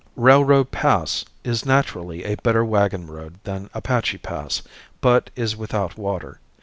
Railroad Pass is naturally a better wagon road than Apache Pass, but is without water.